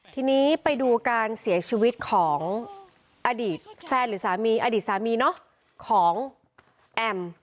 ทีนี้ไปดูการเสียชีวิตของอดีตแฟนหรือสามีอดีตสามีของแอม